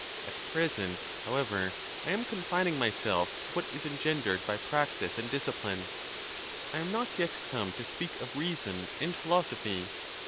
At present, however, I am confining myself to what is engen dered by practice and discipline. I am. not yet come to speak of reason and philosophy.